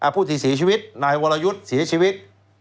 ผู้ที่เสียชีวิตนายวรยุทธ์เสียชีวิต